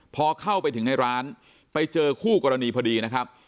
พอเข้าไปถึงในร้านไปเจอคู่กรณีพอดีนะครับ